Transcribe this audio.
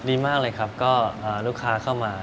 ดีมากเลยครับก็ลูกค้าเข้ามา